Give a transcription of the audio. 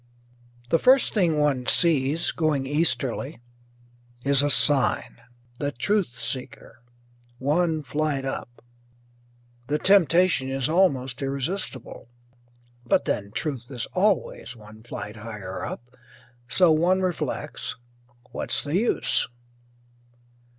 The first thing one sees, going easterly, is a sign: THE TRUTH SEEKER, One flight Up. The temptation is almost irresistible, but then Truth is always one flight higher up, so one reflects, what's the use?